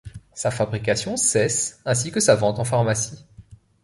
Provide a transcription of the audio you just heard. Sa fabrication cesse ainsi que sa vente en pharmacies.